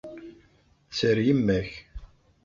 Tter yemma-k.